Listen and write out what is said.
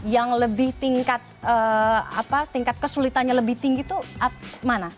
yang lebih tingkat kesulitannya lebih tinggi itu mana